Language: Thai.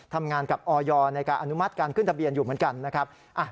ทำงานกับออยในการอนุมัติการขึ้นทะเบียนอยู่เหมือนกันนะครับ